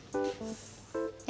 え？